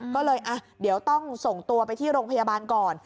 ก็เลยเดี๋ยวต้องส่งตัวไปที่โรงพยาบาลก่อน